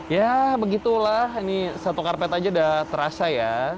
ya begitulah ini satu karpet aja udah terasa ya